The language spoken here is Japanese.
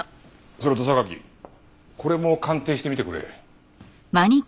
それと榊これも鑑定してみてくれ。